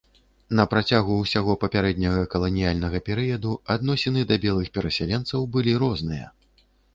На працягу ўсяго папярэдняга каланіяльнага перыяду адносіны да белых перасяленцаў былі розныя.